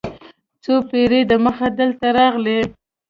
څو پېړۍ دمخه دلته راغلي.